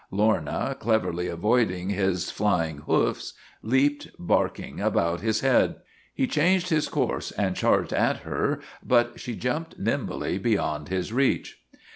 Lorna, cleverly avoiding his flying hoofs, leaped, barking, about his head. He changed his course and charged at her, but she jumped nimbly beyond his reach.